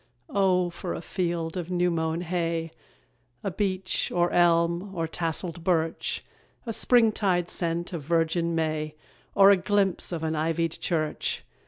O for a field of new mown hay, A beach, or elm, or tasselled birch; A springtide scent of virgin May, Or a glimpse of an ivied church!